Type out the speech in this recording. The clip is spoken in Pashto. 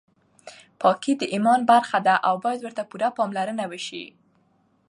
پاکي د ایمان برخه ده او باید ورته پوره پاملرنه وشي.